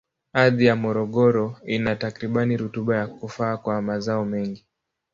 Ardhi ya Morogoro ina takribani rutuba ya kufaa kwa mazao mengi.